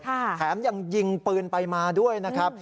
แถมยังยิงปืนไปมาด้วยนะครับ